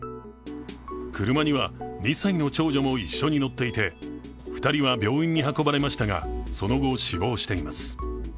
車には２歳の長女も一緒に乗っていて２人は病院に運ばれましたが、その後、死亡しています。